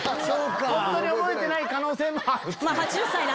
ホントに覚えてない可能性もある。